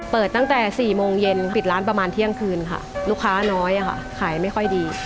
ตั้งแต่๔โมงเย็นปิดร้านประมาณเที่ยงคืนค่ะลูกค้าน้อยค่ะขายไม่ค่อยดี